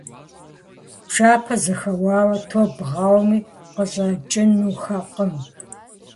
Пшапэр зэхэуауэ, топ бгъауэми, къыщӀэкӀынухэкъым.